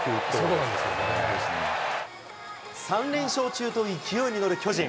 ３連勝中と勢いに乗る巨人。